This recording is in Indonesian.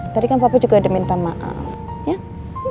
tadi kan bapak juga udah minta maaf